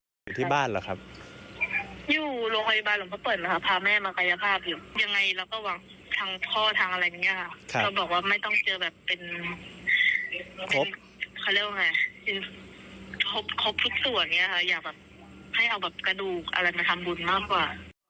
อยากแบบให้เอากระดูกอะไรมาทำบุญมากกว่า